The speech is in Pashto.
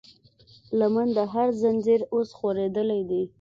لمن د هر زنځير اوس خورېدلی دی